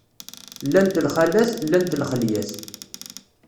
Llant lxalat, llant lxelyat.